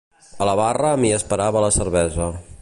A la barra m'hi esperava la cervesa.